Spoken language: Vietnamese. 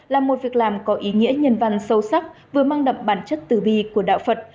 là một việc làm có ý nghĩa nhân văn sâu sắc vừa mang đậm bản chất tử bi của đạo phật